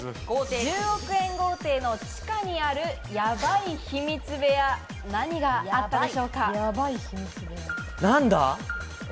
１０億円豪邸の地下にあるやばい秘密部屋、何があったでしょうか？